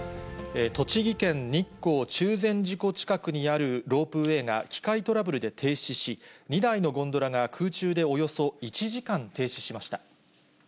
栃木県日光・中禅寺湖近くにあるロープウェイが機械トラブルで停止し、２台のゴンドラが空中でおよそ１時間停止しました。